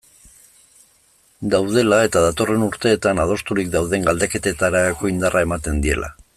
Daudela eta datorren urteetan adosturik dauden galdeketetarako indarra ematen diela.